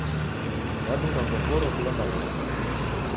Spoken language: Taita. Wadunga ngokoro ukilomba w'ughoma.